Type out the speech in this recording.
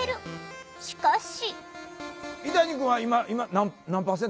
しかし。